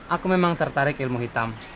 aku memang tertarik ilmu hitam